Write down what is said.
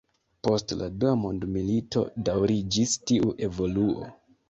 Post la Dua Mondmilito daŭriĝis tiu evoluo.